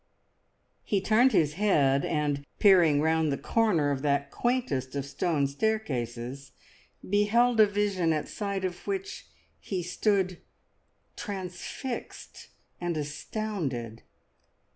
He turned his head, and peering round the corner of that quaintest of stone staircases beheld a vision at sight of which he stood transfixed and astounded.